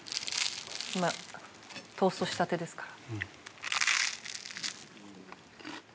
今トーストしたてですから。